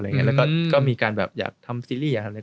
แล้วก็มีการแบบอยากทำซีรีส์อยากทำอะไร